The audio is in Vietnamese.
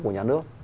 của nhà nước